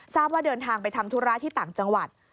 ว่าเดินทางไปทำธุระที่ต่างจังหวัด